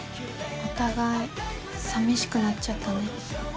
お互いさみしくなっちゃったね。